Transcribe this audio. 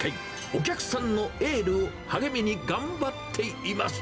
お客さんのエールを励みに頑張っています。